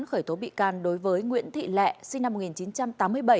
khởi tố bị can đối với nguyễn thị lẹ sinh năm một nghìn chín trăm tám mươi bảy